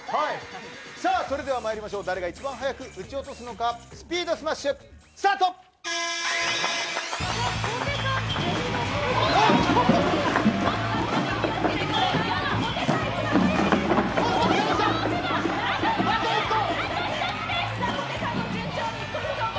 それではまいりましょう誰が一番早く打ち落とすのかスピードスマッシュＳＴＡＲＴ。